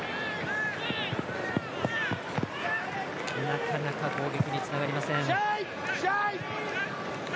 なかなか攻撃につながりません。